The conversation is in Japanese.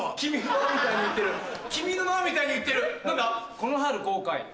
この春公開。